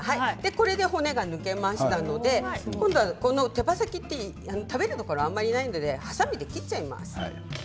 これで骨が抜けましたので今度は手羽先、食べるところがあまりないのではさみで切っちゃいます。